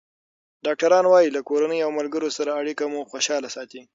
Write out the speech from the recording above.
ډاکټران وايي له کورنۍ او ملګرو سره اړیکه مو خوشحاله ساتي.